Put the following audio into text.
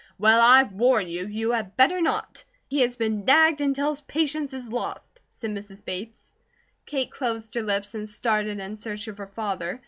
"Well, I warn you, you had better not! He has been nagged until his patience is lost," said Mrs. Bates. Kate closed her lips and started in search of her father.